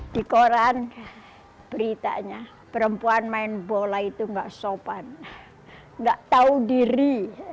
di koran beritanya perempuan main bola itu nggak sopan nggak tahu diri